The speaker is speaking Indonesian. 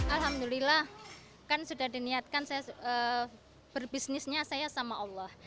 alhamdulillah kan sudah diniatkan saya berbisnisnya saya sama allah